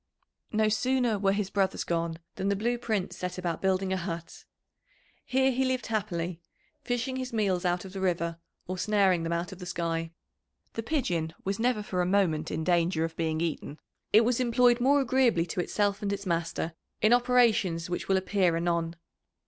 No sooner were his brothers gone than the Blue Prince set about building a hut. Here he lived happily, fishing his meals out of the river or snaring them out of the sky. The pigeon was never for a moment in danger of being eaten. It was employed more agreeably to itself and its master in operations which will appear anon.